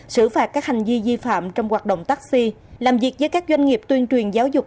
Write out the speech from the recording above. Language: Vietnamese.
xử phạt các hành vi di phạm trong hoạt động taxi làm việc với các doanh nghiệp tuyên truyền giáo dục